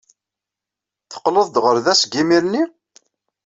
Teqqleḍ-d ɣer da seg yimir-nni?